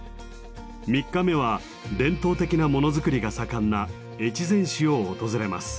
３日目は伝統的なものづくりが盛んな越前市を訪れます。